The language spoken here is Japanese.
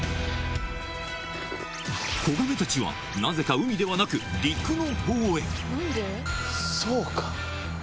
子ガメたちはなぜか海ではなそうか。